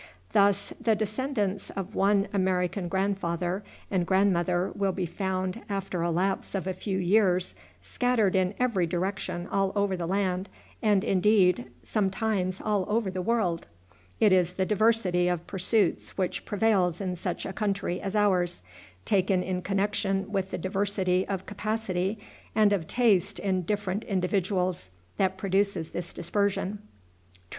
Thus the descendants of one American grandfather and grandmother will be found, after a lapse of a few years, scattered in every direction all over the land, and, indeed, sometimes all over the world. It is the diversity of pursuits which prevails in such a country as ours, taken in connection with the diversity of capacity and of taste in different individuals, that produces this dispersion.